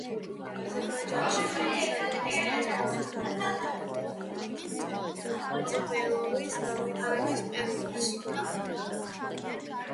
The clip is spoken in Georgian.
აზერბაიჯანში, მილსადენის ტრანსპორტის განვითარება ემთხვევა ნავთობის მრეწველობის განვითარების პერიოდს.